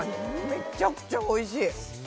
めっちゃくちゃおいしい！